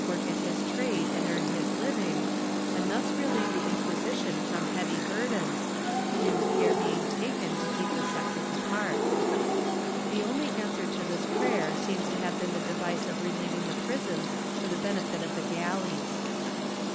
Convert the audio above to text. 168 9, 152 HARSHER PENALTIES [Book VII at his trade and earn his living, and thus relieve the Inquisition from heavy burdens, due care being taken to keep the sexes apart.^ The only answer to this prayer seems to have been the device of relieving the prisons for the benefit of the galleys.